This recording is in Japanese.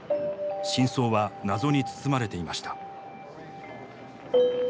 真相は謎に包まれていました。